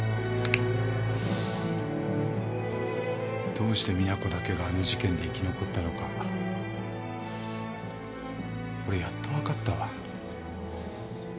どうして実那子だけがあの事件で生き残ったのか俺やっと分かったわ。